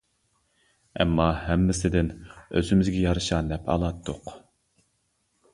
ئەمما ھەممىسىدىن ئۆزىمىزگە يارىشا نەپ ئالاتتۇق.